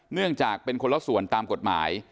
เนื่องจากเป็นคนละส่วนตามกฎหมาย